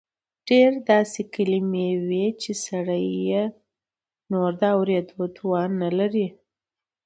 ډېر داسې کلیمې وې چې سړی یې نور د اورېدو توان نه لري.